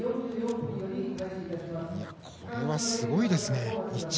これはすごいですね。